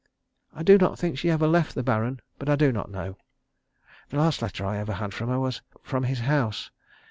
I do not think she ever left the Baron, but I do not know. The last letter I ever had from her was from his house.